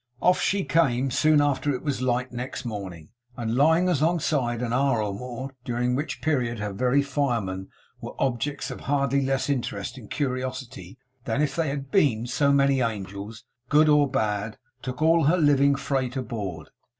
Off she came, soon after it was light next morning, and lying alongside an hour or more during which period her very firemen were objects of hardly less interest and curiosity than if they had been so many angels, good or bad took all her living freight aboard.